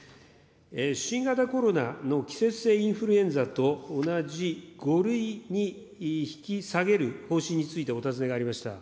新型コロナの季節性インフルエンザと同じ５類に引き下げる方針についてお尋ねがありました。